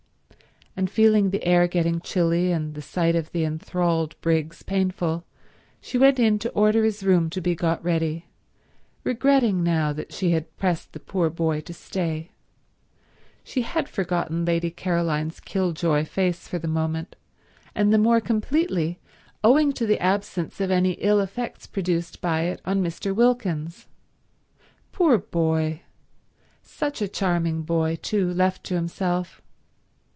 And feeling the air getting chilly, and the sight of the enthralled Briggs painful, she went in to order his room to be got ready, regretting now that she had pressed the poor boy to stay. She had forgotten Lady Caroline's kill joy face for the moment, and the more completely owing to the absence of any ill effects produced by it on Mr. Wilkins. Poor boy. Such a charming boy too, left to himself.